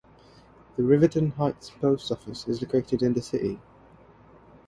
The Riverton Heights Post Office is located in the city.